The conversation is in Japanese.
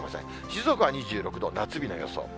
静岡は２６度、夏日の予想。